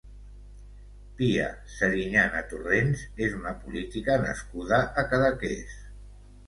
Pia Serinyana Torrents és una política nascuda a Cadaqués.